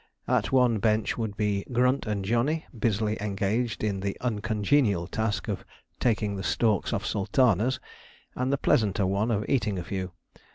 At one bench would be Grunt and Johnny busily engaged in the uncongenial task of taking the stalks off sultanas, and the pleasanter one of eating a few.